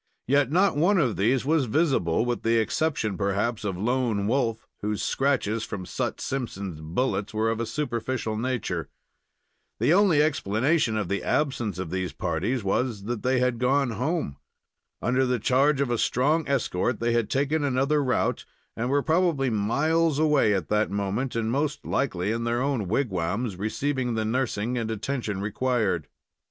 Yet not one of these was visible, with the exception, perhaps, of Lone Wolf, whose scratches from Sut Simpson's bullets were of a superficial nature. The only explanation of the absence of these parties was that they had gone home. Under the charge of a strong escort they had taken another route, and were probably miles away at that moment, and most likely in their own wigwams, receiving the nursing and attention required.